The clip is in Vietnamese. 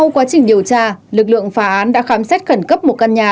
sau quá trình điều tra lực lượng phá án đã khám xét khẩn cấp một căn nhà